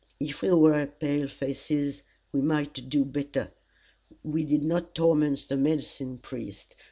If we were pale faces, we might do better. We did not torment the medicine priest.